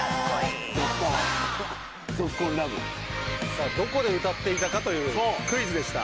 さぁどこで歌っていたかというクイズでした。